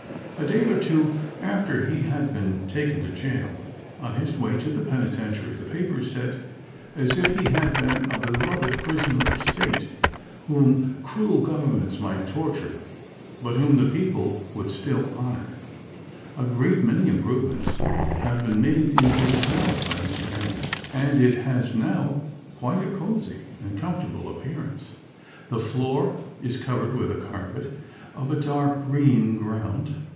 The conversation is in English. A day or two after he had been taken to jail, on his way to the penitentiary, the papers said, as if he had been a beloved prisoner of state whom cruel governments might torture, but whom the people would still honor: "A great many improvements have been made in his cell by his friends, and it has now quite a cosey, comfortable appearance. The floor is covered with a carpet of a dark green ground.